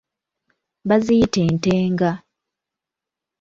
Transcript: Baziyita entenga.